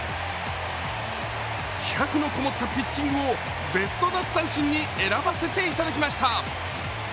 気迫のこもったピッチングをベスト奪三振に選ばせていただきました。